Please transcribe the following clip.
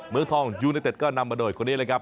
เมืองทองยูเนเต็ดก็นำมาโดยคนนี้เลยครับ